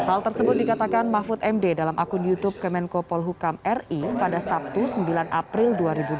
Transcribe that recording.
hal tersebut dikatakan mahfud md dalam akun youtube kemenko polhukam ri pada sabtu sembilan april dua ribu dua puluh